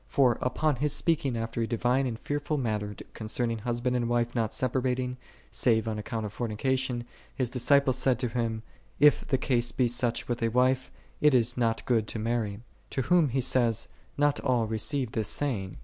For, upon His speaking after a divine and fearful manner concerning husband and wife not separating, save on account of forni cation, His disciples said to Him, " If the case be such with a wife, it is not good to marry."6 To whom He saith, " Not all re ceive this saying.